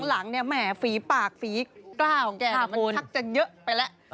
พักหลังแหม่ฝีปากฝีกล้าของแก่แล้วมันทักจะเยอะไปแล้ว